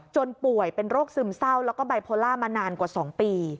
ป่วยเป็นโรคซึมเศร้าแล้วก็บายโพล่ามานานกว่า๒ปี